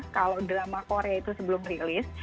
kalau drama korea itu sebelum rilis